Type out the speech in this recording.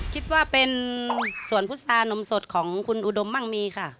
คิดว่าเป็นสวนพุษตานมสดของคุณอุดมมั่งมีค่ะ